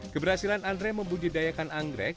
keberhasilan andre membudidayakan anggrek